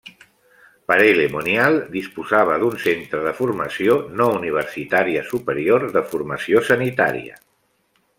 Paray-le-Monial disposava d'un centre de formació no universitària superior de formació sanitària.